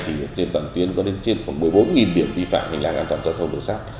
thì trên toàn tuyến có đến trên khoảng một mươi bốn điểm vi phạm hành lang an toàn giao thông đường sát